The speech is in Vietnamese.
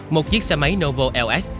một chiếc xe máy novo ls